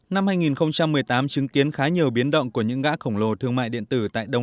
năm hai nghìn một mươi tám chứng kiến khá nhiều biến động của những gã khổng lồ thương mại điện tử tại đông